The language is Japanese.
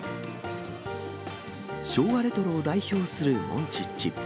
昭和レトロを代表するモンチッチ。